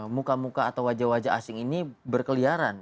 muka muka atau wajah wajah asing ini berkeliaran